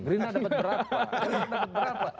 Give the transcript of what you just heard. rina dapat berapa